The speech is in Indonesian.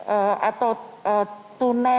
eh atau tunai